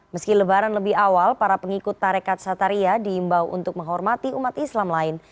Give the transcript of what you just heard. meski lebaran lebih awal para pengikut tarekat sataria diimbau untuk menghormati umat islam lain